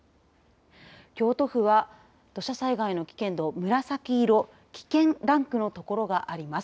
京都府は土砂災害の危険度、紫色、危険ランクの所があります。